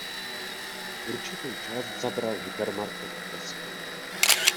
Určitou část zabral hypermarket Tesco.